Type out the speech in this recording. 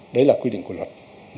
đấy là quy định của luật